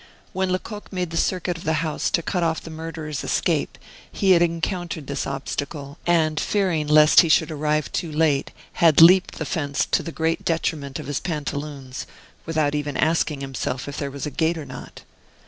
When Lecoq made the circuit of the house to cut off the murderer's escape he had encountered this obstacle, and, fearing lest he should arrive too late, he had leaped the fence to the great detriment of his pantaloons, without even asking himself if there was a gate or not.